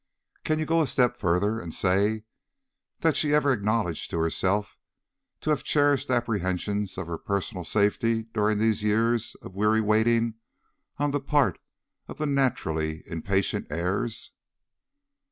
"Can you go a step farther and say that she ever acknowledged herself to have cherished apprehensions of her personal safety, during these years of weary waiting on the part of the naturally impatient heirs?"